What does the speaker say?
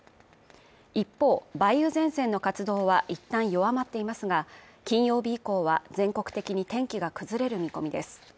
一方、梅雨前線の活動はいったん弱まっていますが、金曜日以降は全国的に天気が崩れる見込みです